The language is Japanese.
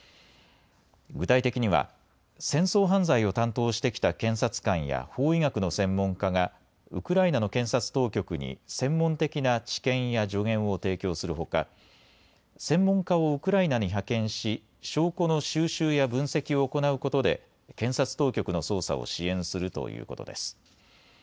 具体的には戦争犯罪を担当してきた検察官や法医学の専門家がウクライナの検察当局に専門的な知見や助言を提供するほか専門家をウクライナに派遣し証拠の収集や分析を行うことで検察当局の捜査を支援するということです。